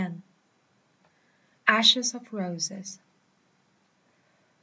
ASHES OF ROSES.